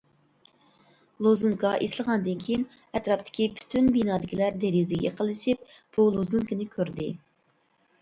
لوزۇنكا ئېسىلغاندىن كېيىن ئەتراپتىكى پۈتۈن بىنادىكىلەر دېرىزىگە يېقىنلىشىپ بۇ لوزۇنكىنى كۆردى.